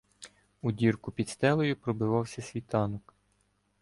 У дірку під стелею пробивався світанок.